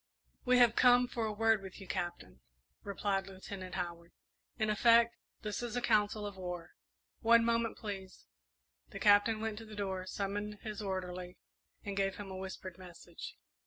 "We have come for a word with you, Captain," replied Lieutenant Howard. "In effect, this is a council of war." "One moment please." The Captain went to the door, summoned his orderly, and gave him a whispered message.